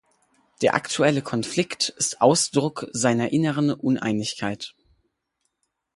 Der aktuelle Konflikt ist Ausdruck seiner internen Uneinigkeit.